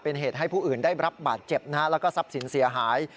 เป็นเหตุให้ผู้อื่นได้รับบาดเจ็บนะฮะแล้วก็ทรัพย์สินเสียหาย